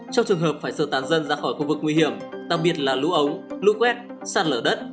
trong trường hợp phải sơ tán dân ra khỏi khu vực nguy hiểm đặc biệt là lũ ống lũ quét sạt lở đất